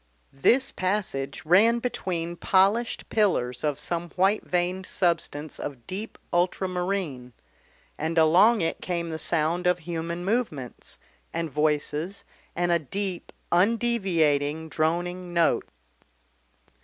This passage ran between polished pillars of some white veined substance of deep ultramarine, and along it came the sound of human movements, and voices and a deep undeviating droning note.